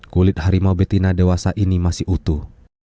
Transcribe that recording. kulit harimau betina dewasa ini masih utuh